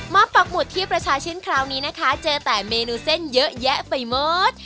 ปักหมุดที่ประชาชื่นคราวนี้นะคะเจอแต่เมนูเส้นเยอะแยะไปหมด